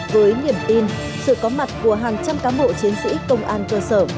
với niềm tin sự có mặt của hàng trăm cán bộ chiến sĩ công an cơ sở